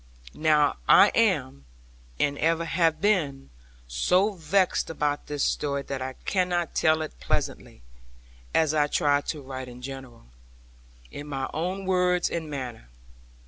Now I am, and ever have been, so vexed about this story that I cannot tell it pleasantly (as I try to write in general) in my own words and manner.